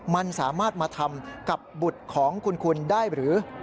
มันสามารถมาทำกับบุตรของคุณได้หรือ